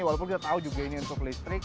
walaupun kita tahu juga ini untuk listrik